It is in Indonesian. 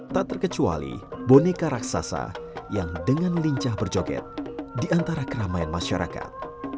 tak terkecuali boneka raksasa yang dengan lincah berjoget di antara keramaian masyarakat